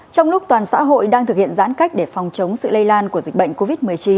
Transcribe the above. trong lúc toàn xã hội đang thực hiện giãn cách để phòng chống sự lây lan của dịch bệnh covid một mươi chín